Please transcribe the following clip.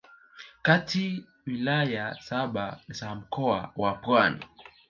katika Wilaya saba za Mkoa wa Pwani